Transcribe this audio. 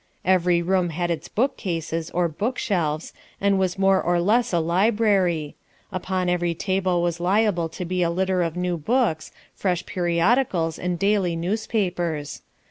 Every room had its book cases or book shelves, and was more or less a library; upon every table was liable to be a litter of new books, fresh periodicals and daily newspapers.